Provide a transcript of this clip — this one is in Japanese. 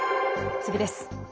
次です。